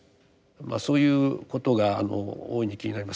そういうことがあの大いに気になります。